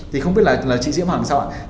thì không biết là chị diễm hoàng sao ạ